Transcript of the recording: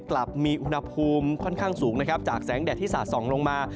กลับมีอุณหภูมิค่อนข้างสูงนะครับจากแสงแดดที่สะส่องลงมา